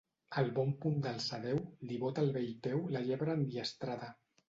Al bon punt d’alçar Déu, li bota al bell peu la llebre endiastrada.